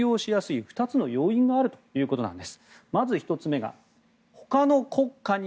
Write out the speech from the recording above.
この２つの要因があるからということです。